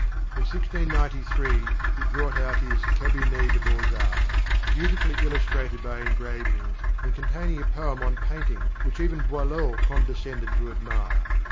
In 1693 he brought out his "Cabinet des Beaux Arts," beautifully illustrated by engravings, and containing a poem on painting which even Boileau condescended to admire.